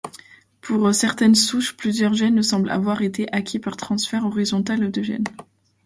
Pour certaines souches, plusieurs gènes semblent avoir été acquis par transfert horizontal de gènes.